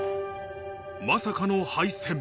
まさかの敗戦。